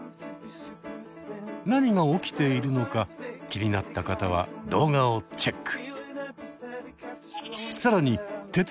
何が起きているのか気になった方は動画をチェック。